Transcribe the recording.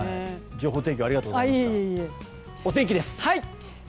情報提供ありがとうございました。